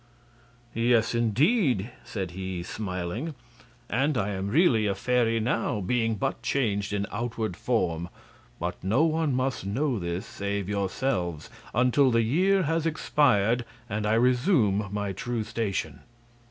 "Yes, indeed," said he, smiling; "and I am really a fairy now, being but changed in outward form. But no one must know this save yourselves, until the year has expired and I resume my true station.